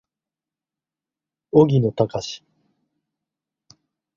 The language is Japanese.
荻野貴司